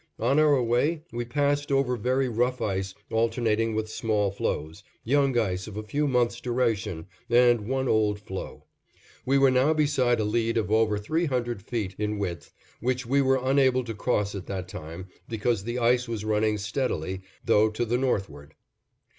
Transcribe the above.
On our way we passed over very rough ice alternating with small floes, young ice of a few months' duration, and one old floe. We were now beside a lead of over three hundred feet in width, which we were unable to cross at that time because the ice was running steadily, though to the Northward.